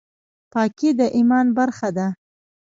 پاکي د ایمان برخه ده